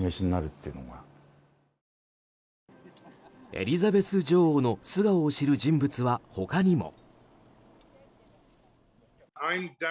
エリザベス女王の素顔を知る人物は、他にも。